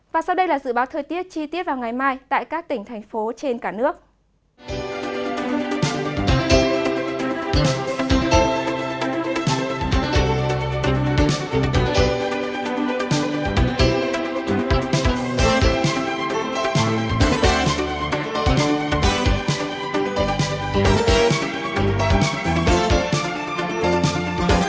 và sau đây là dự báo thời tiết chi tiết vào ngày mai tại các tỉnh thành phố trên cả nước